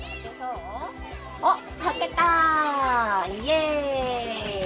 おはけたイエーイ！